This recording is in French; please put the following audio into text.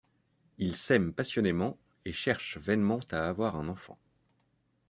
Ils s’aiment passionnément et cherchent vainement à avoir un enfant.